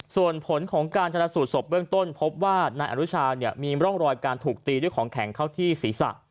ส่วนผลของการชนะสูตรศพเบื้องต้นพบว่านายอนุชามีร่องรอยการถูกตีด้วยของแข็งเข้าที่ศีรษะ